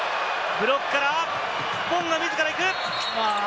ブロックから、ボンガ、自らいく！